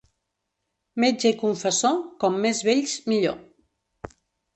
Metge i confessor, com més vells, millor.